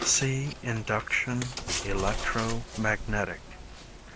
(See Induction, Electro magnetic.)